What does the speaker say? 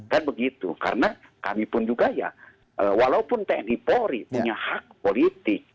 kan begitu karena kami pun juga ya walaupun tni polri punya hak politik